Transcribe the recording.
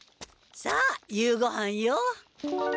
さあ夕ごはんよ。